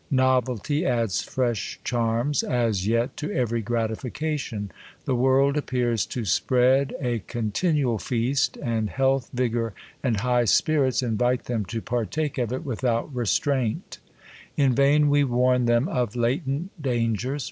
Novelty adds fresh charms, as yet, to every gratification. The v.orld appears to spread THE COLUMBIAN ORATOR. 39 spread a continual feast ; and health, vigor, and high spirits, invite them to partake of it without restraint. In vain we warn them oi" latent dangers.